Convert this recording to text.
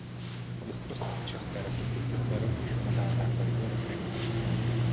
Mistrovství České republiky se rovněž pořádá každoročně.